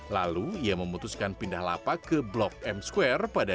lalu ia memutuskan pindah lapar ke blok m square pada dua ribu delapan